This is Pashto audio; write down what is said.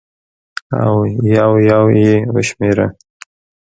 او یو یو یې وشمېره